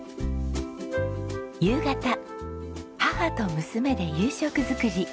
夕方母と娘で夕食作り。